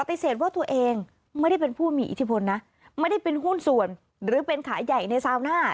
ปฏิเสธว่าตัวเองไม่ได้เป็นผู้มีอิทธิพลนะไม่ได้เป็นหุ้นส่วนหรือเป็นขายใหญ่ในซาวหน้า